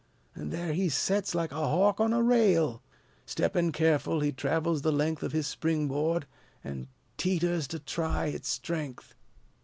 An' there he sets, like a hawk on a rail! Steppin' careful, he travels the length Of his spring board, and teeters to try its strength.